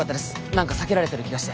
何か避けられてる気がして。